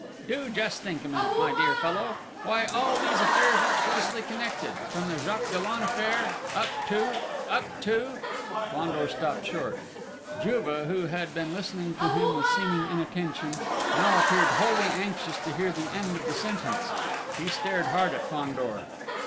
Do just think a minute, my dear fellow! Why, all these affairs are closely connected, from the Jacques Dollon affair, up to ... up to ..." Fandor stopped short. Juve, who had been listening to him with seeming inattention, now appeared wholly anxious to hear the end of the sentence: he stared hard at Fandor.